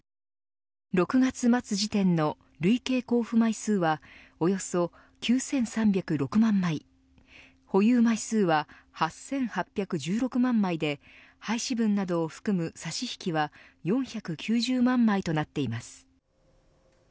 ６月末時点の累計交付枚数はおよそ９３０６万枚保有枚数は８８１６万枚で廃止分などを含む差し引きは４９０万枚となっています。